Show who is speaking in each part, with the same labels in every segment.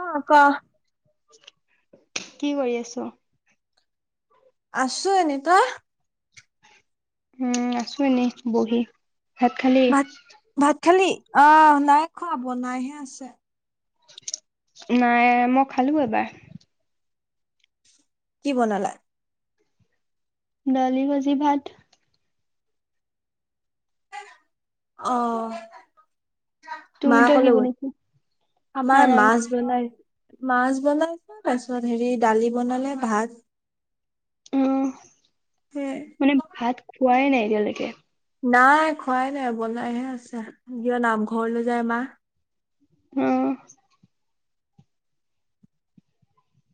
Speaker 1: অ' ক'?
Speaker 2: কি কৰি আছ?
Speaker 1: আছোঁ এনেই। তই?
Speaker 2: উম, আছোঁ এনেই বহি। ভাত খালি?
Speaker 1: ভাত ভাত খালি, আহ, নাই খোৱা, বনাইহে আছে।
Speaker 2: নাই, মই খালোঁ এবাৰ।
Speaker 1: কি বনালা?
Speaker 2: ডালি ভাজি ভাত।
Speaker 1: অ'। মা
Speaker 2: তুমি তই কি
Speaker 1: কলৈ গ'ল?
Speaker 2: বনাইছ?
Speaker 1: আমাৰ মাছ বনাই মাছ বনাইছোঁ, তাৰপিছত হেৰি ডালি বনালে, ভাত।
Speaker 2: অ'
Speaker 1: সে
Speaker 2: মানে ভাত খোৱাই নাই এতিয়ালৈকে?
Speaker 1: নাই খোৱাই নাই, বনাইহে আছে, কিয় নামঘৰলৈ যায় মা।
Speaker 2: অ'।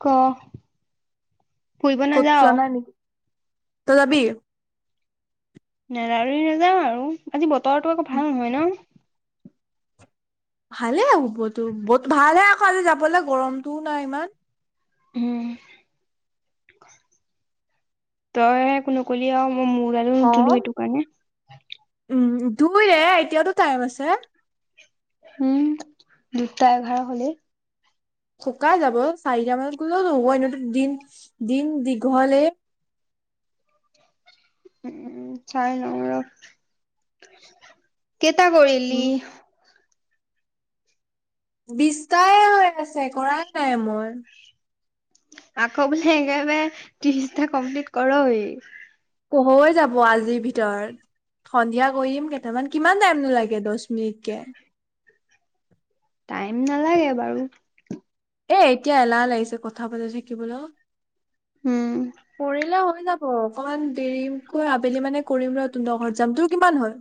Speaker 2: ক'? ফুৰিব
Speaker 1: ক'তো
Speaker 2: নাযাৱ?
Speaker 1: যোৱা নাই নেকি? তই যাবি?
Speaker 2: নেযাওঁ যদি নেযাওঁ আৰু, আজি বতৰটো আকৌ ভাল নহয় ন?
Speaker 1: ভালে হ'বতো ভালে আকৌ আজি যাবলৈ গৰমটোও নাই ইমান।
Speaker 2: উম, তই হে কোনো কলি আৰু মই মোৰ
Speaker 1: অ
Speaker 2: নুধুলো সেইটো কাৰণে।
Speaker 1: উম, ধুই দে এতিয়াতো টাইম আছে।
Speaker 2: হম, দুটা এঘাৰ হ'লে!
Speaker 1: সোকাই যাব চাৰিটা মানত গ'লেওটো হ'ব এনেইতো দিন দিন দীঘলে।
Speaker 2: উম, উম, চাই লওঁ ৰখ, কেইটা কৰিলি?
Speaker 1: উম বিশতাই হৈ আছে কৰাই নাই মই।
Speaker 2: আকৌ বোলে একেবাৰে ত্ৰিশটা কমপ্লিট ক'ৰৱে?
Speaker 1: হৈ যাব আজিৰ ভিতৰত। সন্ধিয়া কৰিম কেইটামান, কিমান টাইমনো লাগে দহ মিনিটকে।
Speaker 2: টাইম নালাগে বাৰু।
Speaker 1: এ এতিয়া এলাহ লাগিছে কথা পাতি থাকিবলৈও,
Speaker 2: উম
Speaker 1: কৰিলে হৈ যাব। অ', অকমান দেৰিকৈ আবেলি মানে কৰিম ৰখ তোম ঘৰত যাম, তোৰ কিমান হ'ল?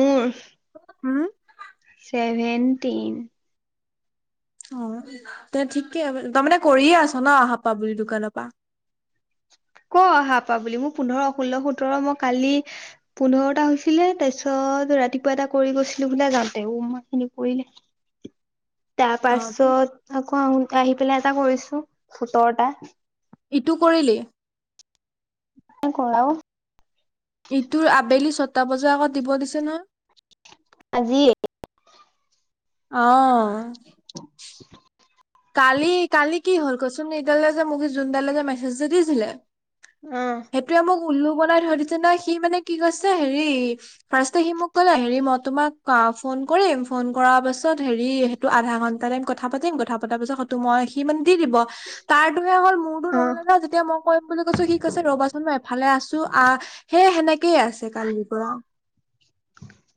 Speaker 2: মোৰ?
Speaker 1: উম।
Speaker 2: ছেভেনণ্টিন।
Speaker 1: অ', তে ঠিকে, তই মানে কৰিয়ে আছ ন আহ পৰা বুলি দোকানৰ পৰা?
Speaker 2: ক'ৰ অহা পৰা বুলি মোৰ পোন্ধৰ ষোল্ল সোতৰ মই কালি পোন্ধৰটা হৈছিলে তাৰপিছত ৰাতিপুৱা এটা কৰি গৈছিলো বোলে যাওঁতে। অ' মা এইখিনি পৰিলে! [inaudible] তাৰ
Speaker 1: অ তোক
Speaker 2: পাছত আকৌ আহোতে আহি পেলাই এটা কৰিছো সোতৰটা।
Speaker 1: ইটো কৰিলি?
Speaker 2: নাই ক'ৰা অ'।
Speaker 1: ইটোৰ আবেলি ছটা বজাৰ আগত দিব দিছে নহয়।
Speaker 2: আজি?
Speaker 1: অ'।
Speaker 2: [inaudible]
Speaker 1: কালি কালি কি হ'ল কচোন এইডাল যে মোক যোনডালে যে মেছেজটো দিছিলে।
Speaker 2: অ'।
Speaker 1: সেইটোৱে মোক উল্লু বনাই থৈ দিছে নহয়, সি মানে কি কৈছে হেৰি ফাৰ্ষ্টতে সি মোক ক'লে হেৰি মই তোমাক ফোন কৰিম, ফোন কৰাৰ পাছত হেৰি আধা ঘন্টা টাইম কথা পাতিম কথা পতা পিছত সটো মই সি মানে দি দিব। তাৰটোহে হ'ল মোৰতো
Speaker 2: অ',
Speaker 1: নহ'লে নহয়, যেতিয়া মই কৰিম বুলি কৈছো ঠিক আছে ৰ'বাচোন মই এফালে আছো, আহ সেই সেনেকেই আছে কালিৰ পৰা।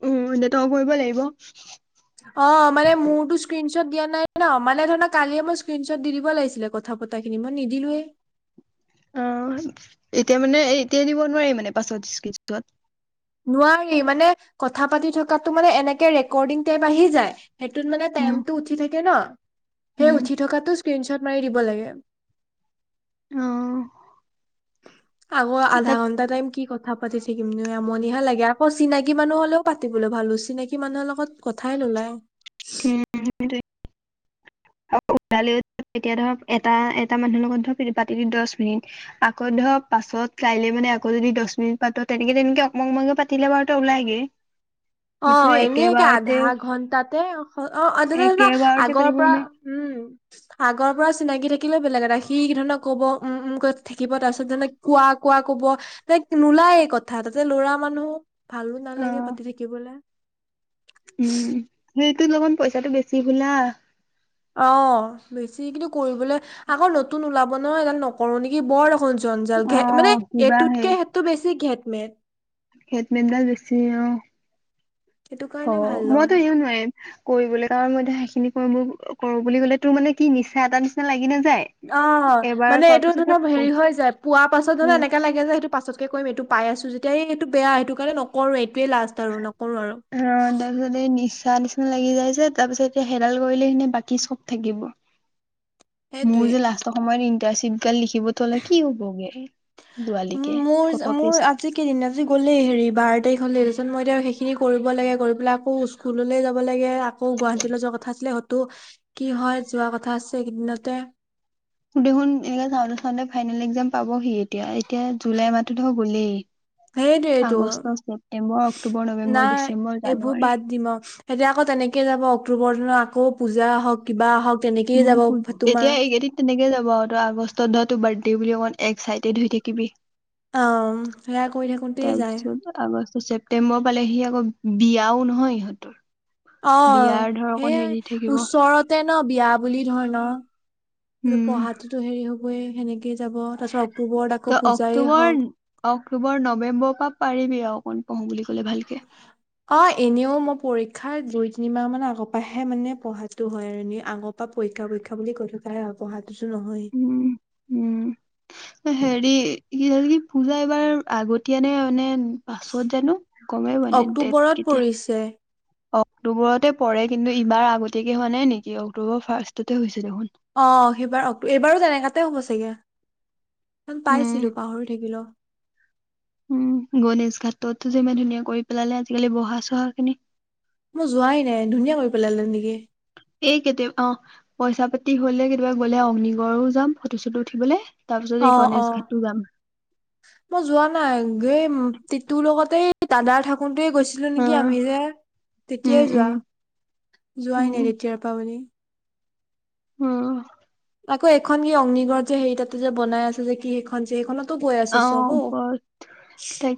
Speaker 2: উম, এতিয়া তই কৰিব লাগিব।
Speaker 1: অ', মানে মোৰতো স্ক্ৰীনশ্বট দিয়া নাই ন। মানে ধৰ কালিয়ে মোক স্ক্ৰীনশ্বট দি দিব লাগিছিলে কথা পতাখিনি মই নিদিলোয়েই।
Speaker 2: অ', এতিয়া মানে এই এতিয়াই দিব নোৱাৰি মানে পাছত স্ক্ৰীনশ্বট?
Speaker 1: নোৱাৰি, মানে কথা পাতি থকাতো মানে এনেকে ৰেকৰ্ডিং টাইপ আহি যায়। সেইটোত মানে
Speaker 2: উম,
Speaker 1: টাইমটো উঠি থাকে ন।
Speaker 2: উম,
Speaker 1: সেই উঠি থকাটো স্ক্ৰীনশ্বট মাৰি দিব লাগে।
Speaker 2: অ'।
Speaker 1: আগৰ
Speaker 2: তাত
Speaker 1: আধা ঘন্টা টাইম কি কথা পাতি থাকিমনো আমনিহে লাগে। আকৌ চিনাকি মানুহ হ'লেও পাতিবলৈ ভালো চিনাকি মানুহৰ লগত কথাই নোৱাই।
Speaker 2: উম, সেইটোৱে। অ', ওলালি তেতিয়া ধৰ এটা এটা মানুহৰ লগত ধৰক পাতিলি দহ মিনিট। আকৌ ধৰক পাছত কাইলে মানে আকৌ যদি দহ মিনিট পাত তেনেকে তেনেকে অকমাণ অকমাণকে পাতিলে বাৰুতে ওলাইগে। [inaudible]
Speaker 1: অ', এনেকে
Speaker 2: একেবাৰতে
Speaker 1: আধা ঘন্টাতে অ' [unintelligible]
Speaker 2: একেবাৰতে
Speaker 1: আগৰ
Speaker 2: পাৰিব
Speaker 1: পৰা উম
Speaker 2: [inaudible]
Speaker 1: আগৰ পৰা চিনাকি থাকিলেও বেলেগ এটা সি কি ধৰণৰ ক'ব উম থাকিব তাৰ পিছত যেনে কোৱা-কোৱা কব, তাই নোলায় কথা তাতে লৰা মানুহ ভালো
Speaker 2: অ
Speaker 1: নালাগে পাতি থাকিবলৈ।
Speaker 2: উম, সেইটো লগন পইচাটো বেছি বোলা।
Speaker 1: অ, বেছি কিন্তু কৰিবলৈ আকৌ নতুন ওলাব ন এডাল নকৰো নেকি বৰ জঞ্জাল
Speaker 2: অ
Speaker 1: ঘে মানে
Speaker 2: কিবা
Speaker 1: এইটোতকে সেইটো বেছি ঘেট-মেট।
Speaker 2: খেট-মেটডাল বেছি অ,
Speaker 1: সেইটো
Speaker 2: থ
Speaker 1: কাৰণে ভাল লগা
Speaker 2: মইতো
Speaker 1: নাই
Speaker 2: ইও নোৱাৰিম কৰিবলৈ কাৰণ মইতো সেইখিনি কৰো বুলি ক'লে তোৰ মানে কি নিচা এটা নিচিনা লাগি নাযায়।
Speaker 1: অঁ,
Speaker 2: এবাৰ
Speaker 1: মানে
Speaker 2: কৰাৰ
Speaker 1: এইটো
Speaker 2: পিছত সেই
Speaker 1: ধৰাক হেৰি হৈ যায় পোৱা পাছত ধৰা
Speaker 2: উম
Speaker 1: এনেককা লাগে যে সেইটো পাছত তে কৰিম এইটো পাই আছো যেতিয়া এইটো বেয়া সেইটো কাৰণে নকৰো এইটোৱে লাষ্ট আৰু নকৰো আৰু।
Speaker 2: অ, তাৰপিছত এই নিচা নিচিনা লাগি যাইযে, তাৰ পিছত এতিয়া সেডাল কৰিলে সিনে বাকী চব থাকিব। মোৰ
Speaker 1: সেইটোৱে
Speaker 2: যে লাষ্টৰ সময়ত ইন্টাৰশ্বিপ গাল লিখিব থলে কি হ'বগে।
Speaker 1: উ
Speaker 2: দুৱালিকে কত পিছ
Speaker 1: মোৰ-মোৰ আ [unintelligible] গ'লেই হেৰি বাৰ তাৰিখ হ'লে তাৰপিছত মই এতিয়া সেইখিনি কৰিব লাগে কৰি পেলাই আকৌ স্কুললৈ যাব লাগে আকৌ গুৱাহাটীলৈ যোৱা কথা আছিলে সেইটো কি হয় যোৱা কথা আছে এইকেইদিনতে।
Speaker 2: দেখোন এনেকে চাওঁতে-চাওঁতে ফাইনেল এক্সাম পাবহি এতিয়া, এতিয়া জুলাই মাহতো গ'লেই।
Speaker 1: সেইটোৱেটো,
Speaker 2: আগষ্ট, ছেপ্তেম্বৰ, অক্টোবৰ, নৱেম্বৰ,
Speaker 1: নাই
Speaker 2: ডিচেম্বৰ,
Speaker 1: এইবোৰ
Speaker 2: জানুৱাৰী।
Speaker 1: বাদ দিম আৰু। এতিয়া আকৌ তেনেকে যাব অক্টোবৰ দিনাত আকৌ পূজা হওক কিবা আহক তেনেকেইে যাব
Speaker 2: উম
Speaker 1: তোমাৰ।
Speaker 2: এতিয়া এইকেইদিন তেনেকে যাব আৰু তই আগষ্টত ধৰা তোৰ বাৰ্থডে বুলি অকণমান এক্সাইটেড হৈ থাকিবি।
Speaker 1: অ, সেয়া কৰি থাকোতেই যায়।
Speaker 2: তাৰপিছত আগষ্ট ছেপটেম্বৰ পালে সি আকৌ বিয়াও নহয় ইহঁতৰ।
Speaker 1: অঁ,
Speaker 2: বিয়াৰ ধৰ অকণ হেৰি
Speaker 1: সেয়াই
Speaker 2: থাকিব
Speaker 1: ওচৰত ন বিয়া বুলি ধৰ ন,
Speaker 2: উম
Speaker 1: পঢ়াতটোতো হেৰি হ'বয়ে সেনেকে যাব তাৰ পাছত অক্টোবৰত
Speaker 2: তই
Speaker 1: আকৌ পূজাই
Speaker 2: অক্টোবৰ
Speaker 1: হওক
Speaker 2: অক্টোবৰ, নৱেম্বৰৰ পৰা পাৰিবি আৰু অকণ পঢ়ো বুলি কলে ভালকে।
Speaker 1: অ, এনেও মই পৰীক্ষাৰ দুই-তিনি মাহমান আগৰ পৰাহে মানে পঢ়াতো হয় আৰু আগ বা পৰীক্ষা-পৰীক্ষা বুলি কৈ থকাই পঢ়াটো নহয়।
Speaker 2: উম, উম। হেৰি কি কি পূজা এইবাৰ আগতীয়ানে মানে পাছত জানো গমেই মানে ডেট কেতিয়া
Speaker 1: পিছে
Speaker 2: অক্টোবৰতে পৰে কিন্তু ইবাৰ আগতীয়াকে হোৱা নাই নেকি অক্টোবৰ ফাৰ্ষ্টতে হৈ হৈছে দেখোন।
Speaker 1: অ, সেইবাৰ এইবাৰো তেনেককাতে হ'ব চাগে,
Speaker 2: উম
Speaker 1: পাইছিলো পাহৰি থাকিলো।
Speaker 2: উম, গণেশ ঘাটতো যে ইমান ধুনীয়া কৰি পেলালে আজিকালি বহা-চহা খিনি।
Speaker 1: মই যোৱাই নাই, ধুনীয়া কৰি পেলালে নেকি?
Speaker 2: এই কেতিয়া অ, পইচা পাতি হলে কেতিয়াবা গ'লে অগ্নিগড়ও যাম ফটো-চটো উঠিবলৈ।
Speaker 1: অ, অ। মই যোৱা নাই এই তিতুৰ লগতে দাদা থাকোতেই গৈছ ছিলো
Speaker 2: অ
Speaker 1: নেকি আমি যে
Speaker 2: উম
Speaker 1: তেতিয়াই
Speaker 2: উম
Speaker 1: যোৱা যোৱাই নাই
Speaker 2: উম
Speaker 1: তেতিয়াৰ পৰা বুলি।
Speaker 2: উম।
Speaker 1: আকৌ এখন কি অগ্নিগড় যে সেই তাতে যে বনাই আছে যে কি সেইখন যে সেইখনত বৈ আছে চবো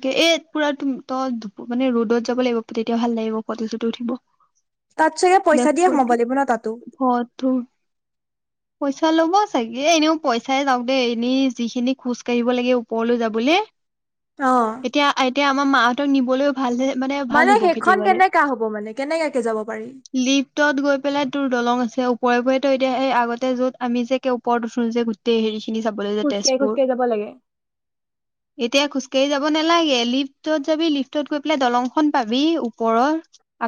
Speaker 2: এ পুৰা তই মানে ৰ'দত যাব লাগিব তেতিয়া ভাল লাগিব ফটো-চটো উঠিব।
Speaker 1: তাতচে
Speaker 2: দে
Speaker 1: পইচা দিয়ে ম'বাইল
Speaker 2: ফটো
Speaker 1: লাগিব না তাতো।
Speaker 2: [inaudible] পইচা ল'ব চাগে এনেও পইচাই যাওক দেই এনে যিখিন খোজকাঢ়িব লাগে। পলো যা বলে
Speaker 1: অঁ।
Speaker 2: এতিয়া এতিয়া আমাৰ মাহ নিবলৈও ভাল মানে ভাল হ'ব
Speaker 1: সেইখন
Speaker 2: কেতিয়াবালে
Speaker 1: কেনেকা হ'ব মানে কেনেকাকে যাব পাৰি
Speaker 2: লিফ্টত গৈ পেলাই তোৰ দলং আছে ওপৰেওপৰেটো এতিয়া সেই আগতে য'ত আমি যেকে ওপৰত উঠো যে গোট হেৰি খিনি চাবলৈ যায়
Speaker 1: খোজকাঢ়ি
Speaker 2: তেজপুৰ
Speaker 1: খোজকাঢ়ি যাব লাগে
Speaker 2: এতিয়া খোজকাঢ়ি যাব নালাগে লিফ্টত যাবি লিফ্টত গৈ পেলাই দলংখন পাবি ওপৰৰ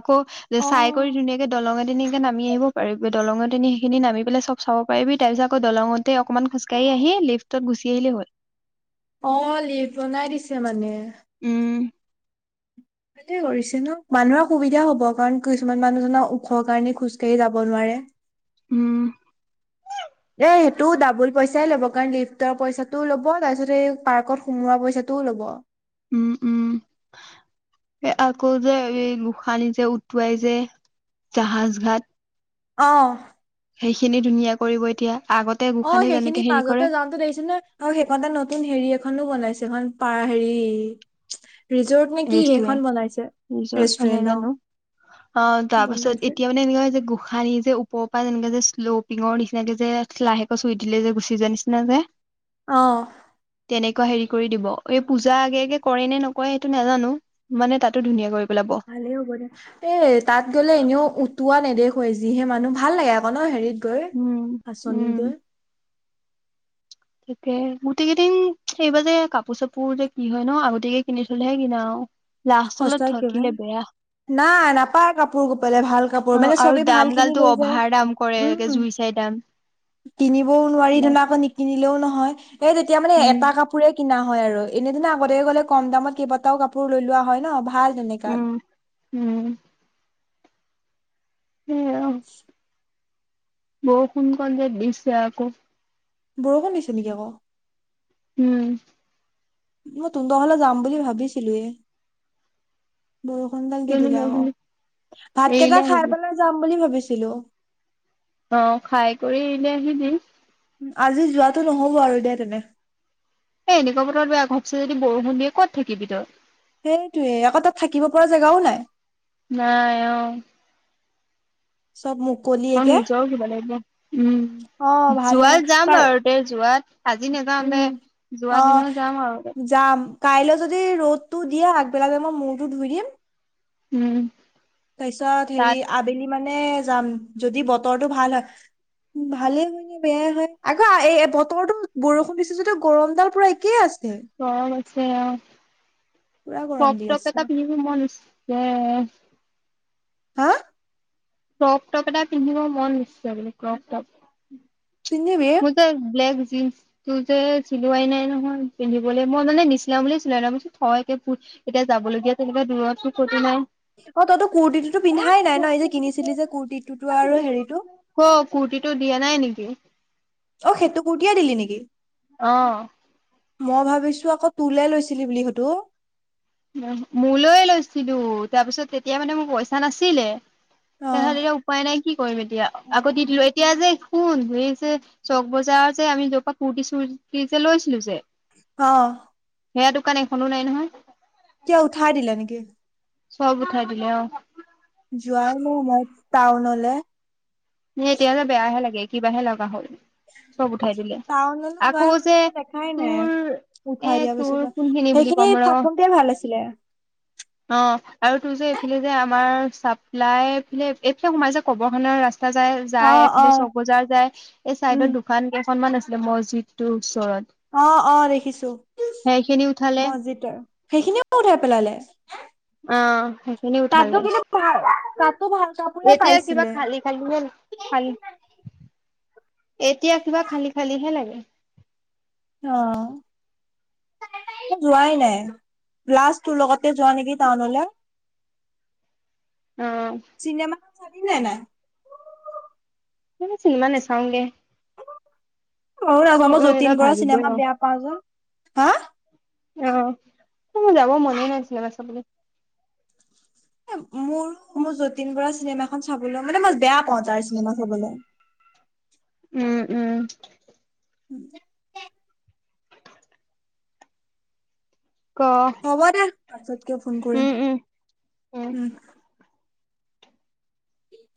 Speaker 2: আকৌ যে
Speaker 1: অ
Speaker 2: চাই কৰি ধুনীয়াকে দলঙে তেনীকে নামি আহিব পাৰিবি দলঙে নি সেইখিনি নামি পেলাই চব চাব পাৰিবি তাৰ পিছত আকৌ দলঙত অকমান খোজকাঢ়ি লেফটতুি আহিল হল
Speaker 1: অ লিভ বনাই দিছে মানে
Speaker 2: উম
Speaker 1: সে কৰিছে ন মানুহৰ সুবিধা হব কাৰণ কিছুমান মানুহজনক ওখৰ কাৰণে খোজ কাঢ়ি যাব নোৱাৰে
Speaker 2: উম
Speaker 1: এ সেইটো ডাবুল পইচাই ল'ব কাৰণ লিফ্টৰ পইচাটোও ল'ব তাৰপিছত এই পাৰ্কত সোমোৱা পইচাটোও ল'ব
Speaker 2: উম উম আকৌ যে এই গোস নি যে উটুৱাই যে জাহাজ ঘাট
Speaker 1: অঁ
Speaker 2: সেইখিনি ধুনীয়া কৰিব এতিয়া আগত
Speaker 1: অ সেইখিনি মাজতে যাওঁতে দেখিছে ন অ সেইকটা নতুন হেৰি এখনো বনাইছে এখন প হেৰি ৰিজৰ্ট নে কি সেইখন
Speaker 2: ৰেষ্টুৰেণ্ট
Speaker 1: বনাইছে
Speaker 2: মানে
Speaker 1: ৰেষ্টুৰেণ্ট অ
Speaker 2: জানো অ তাৰ পাছত
Speaker 1: বনাইছে
Speaker 2: এতিয়া মানে এনেকুৱা হয় হৈছে যে গোস নিী যে ওপৰ পৰা তেনেকে যে শ্ল'পিঙৰ নিচিনাকে যে লাহেক চুই দিলে যে গুচি যোৱা নিচিনা যে
Speaker 1: অ
Speaker 2: তেনেকুৱা হেৰি কৰি দিব এই পূজা আগে আগে কৰে নে নকৰে টো নাজানো মানে তাতো ধুনীয়া কৰি পেলাব
Speaker 1: ভালেই হ'ব দে এ তাত গ'লে এনেও উটোৱা নেদেখুৱ যিহে মানুহ ভাল লাগে আকৌ ন হেৰিত
Speaker 2: উম
Speaker 1: গ আচনি
Speaker 2: উম
Speaker 1: গ
Speaker 2: তাকে গোটেই কেইদিন এইবাৰ যে কাপোৰ চাপোৰ যে কি হয় ন আগতেকে কিনি থলেহে কিনা আৰু লষ্টলৈত
Speaker 1: সঁচাকে ভাই
Speaker 2: থাকিলে বেয়া
Speaker 1: নাই নাপায় কাপোৰ গপালে ভাল কাপোৰ মানে চবে ভাল খিনি লৈ যায়
Speaker 2: াৰ দাম কৰেে
Speaker 1: উম
Speaker 2: জুই চাই দাম
Speaker 1: কিনিবও নোৱাৰি ধৰা আকৌ নিকিনিলেও নহয় এই তেতিয়া মানে এটা
Speaker 2: উম
Speaker 1: কাপোৰ কাপোৰে কিনা হয় আৰু এনেদিনা আগতে গলে কম দামত কেইবাটাও কাপোৰ লৈ লোৱা হয় ন ভাল তেনেককা
Speaker 2: উম উম উম অ
Speaker 1: [inaudible]
Speaker 2: বৰষুণ কন যে দিছে আকৌ
Speaker 1: বৰষুণ দিছ নেকি আকৌ
Speaker 2: উম
Speaker 1: মই তুহনল ফালে যাম বুলি ভাবিছিলোয়ে বৰষুণডাল দি
Speaker 2: কেলে
Speaker 1: দিলে অ
Speaker 2: নাহিলি
Speaker 1: ভাত
Speaker 2: এৰিলে
Speaker 1: কেইটা খাই
Speaker 2: আহিবি
Speaker 1: পেলাই যাম বুলি ভাবিছিলো
Speaker 2: অ খাই কৰি এলে আহিবি
Speaker 1: উম আজি যোৱাটো নহ'ব আৰু দিয়া তেনে
Speaker 2: এনেকুৱা বতৰত বেয়া ঘপছে যদি বৰষুণ দিয়ে ক'ত থাকিব তই
Speaker 1: সেইটোয়ে আকৌ তাত থাকিব পৰা জেগাও নাই
Speaker 2: নাই অ
Speaker 1: চব
Speaker 2: অ
Speaker 1: মুকলিয়েকে
Speaker 2: নিজৰ কিবা লাগিব
Speaker 1: অ
Speaker 2: উম
Speaker 1: ভাল লাগে
Speaker 2: যোৱাত যাম
Speaker 1: কাৰ
Speaker 2: বাৰু দে যোৱাত আজি নাযাওঁ দে
Speaker 1: উম অ
Speaker 2: যোৱা দিনত যাম আৰু
Speaker 1: যাম কাইলৈ যদি ৰ'দটো দিয়ে আগবেলা মই মূৰটো ধুই দিম
Speaker 2: উম।
Speaker 1: তাৰ পিছত হেৰি
Speaker 2: তাত
Speaker 1: আবেলি মানে যাম, যদি বতৰটো ভাল হয়। ভালে হয় বেয়াই হয় আকৌ বতৰটো বৰষুণ দিছে যদি গৰমডাল পুৰা একেইে আছে।
Speaker 2: গৰম আছে। অ'
Speaker 1: পুৰা গৰম দি
Speaker 2: ক্ৰপ টপ
Speaker 1: আছে
Speaker 2: এটা পিন্ধিব মন আছে
Speaker 1: হা
Speaker 2: ক্ৰপটপ এটা পিন্ধিব মন হৈছে বোলে ক্ৰপটপ।
Speaker 1: পিন্ধবি।
Speaker 2: ব্লেক জিন্চ তো যে চিলোৱাই নাই নহয় পিন্ধিবলৈ, মই মানে নিচিলাও বুলি চিলোৱা নাই থ এতিয়া পুজ এতিয়া যাবলগীয়া তেনেকুৱা দূৰতো ক'তো নাই?
Speaker 1: অ' তইতো কুৰ্তিটোতো পিন্ধাই নাই ন এই যে কিনিছিলি যে কুৰ্তিটোতো আৰু হেৰিটো?
Speaker 2: হ' কুৰ্টিটো দিয়া নাই নেকি?
Speaker 1: অ' সেইটো কুৰটিয়াই দিলি নেকি?
Speaker 2: অ'।
Speaker 1: মই ভাবিছো আকৌ তোলে লৈছিলি বুলি সেইটো?
Speaker 2: মোলৈ লৈছিলো, তাৰপিছত তেতিয়া মানে মোৰ পইচা নাছিলে
Speaker 1: অ
Speaker 2: তেনেহ'লে এতিয়া উপায় নাই কি কৰিম এতিয়া আকৌ দি দিলো এতিয়া যে শুন এই যে চক বজাৰৰ যে আমি য'ৰ পৰা কুুৰ্তি চুৰ্তি যে লৈছিলো যে
Speaker 1: অ'।
Speaker 2: সেয়া দোকান এখনো নাই নহয়?
Speaker 1: কিয় উঠাই দিলে নেকি?
Speaker 2: চব উঠাই দিলে। অ'
Speaker 1: যোৱাও নাই মই টাউনলে।
Speaker 2: নে এতিয়লে বেয়াহে লাগে কিবাহে লগা হ'ল। চব উঠাই দিলে,
Speaker 1: টাউনলে যোৱাই
Speaker 2: আকৌ
Speaker 1: মানে
Speaker 2: যে
Speaker 1: মই দেখাই নাই
Speaker 2: তোৰ এ
Speaker 1: উঠাই দিয়া পাছৰ পৰা
Speaker 2: তোৰ কোনখিনি বুলি
Speaker 1: সেইখিনি
Speaker 2: ক'ম ৰ
Speaker 1: থাকোতে ভাল আছিলে
Speaker 2: অ' আৰু তোৰ যে এইফালে যে আমাৰ চাপ্লাইফালে এইফালে সোমাই যে কবৰ খানাৰ ৰাস্তা যায়
Speaker 1: অ
Speaker 2: যায়
Speaker 1: অ
Speaker 2: এফালে চ'কবজাৰ যায় এই
Speaker 1: উম
Speaker 2: চাইডত দু দোকান কেইখনমান আছিলে মছজিদৰ ওচৰত
Speaker 1: অ', অ' দেখিছো,
Speaker 2: সেইখিনি উঠালে
Speaker 1: মছজিদৰ সেইখিনিও উঠাই পেলালে?
Speaker 2: অ'। সেইখিনিও
Speaker 1: তাতো
Speaker 2: উঠালে,
Speaker 1: কিন্তু ভাল তাতো ভাল কাপোৰে
Speaker 2: এতিয়া কিবা
Speaker 1: পাইছিলে
Speaker 2: খালি খালিহে খালি এতিয়া কিবা খালি খালিহে লাগে।
Speaker 1: অ'। যোৱাই নাই, লাষ্টৰ তোৰ লগতে যোৱা নেকি টাউনলৈ।
Speaker 2: অ'।
Speaker 1: চিনেমা চালি নে নাই?
Speaker 2: চিনেমা নাচাওঁগে।
Speaker 1: অ' মইয়ো নাজানো মই যতীন বৰাৰ
Speaker 2: ভাবিবই
Speaker 1: চিনেমা বেয়া পাওঁ যে। হা
Speaker 2: অ' মোৰ যাব মনে নাই চিনেমা চাবলৈ।
Speaker 1: মোৰ মোৰ যতীন বৰা চিনেমা খন চাবলৈ, মানে মই বেয়া পাওঁ তাৰ চিনেমা চাবলৈ।
Speaker 2: উম, উম।
Speaker 1: উ [unintelligible]
Speaker 2: ক
Speaker 1: হ'ব দে পাছতকে ফোন
Speaker 2: উম
Speaker 1: কৰিম,
Speaker 2: উম
Speaker 1: উম। উ [unintelligible]